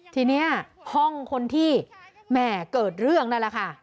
ทีนี้ห้องคนที่แม่เกิดเรื่องนั่นแหละค่ะ